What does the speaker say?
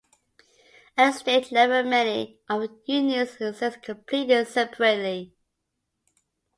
At a state level many of the unions exist completely separately.